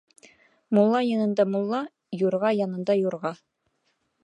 Мулла янында мулла, юрға янында юрға.